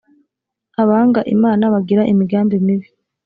abanga imana bagira imigambi mibi